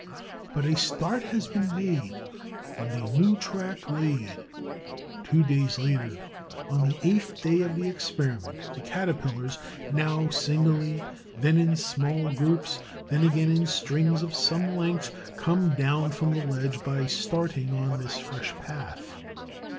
But a start has been made and a new track laid. Two days later, on the eighth day of the experiment, the Caterpillars—now singly, then in small groups, then again in strings of some length—come down from the ledge by starting on this fresh path.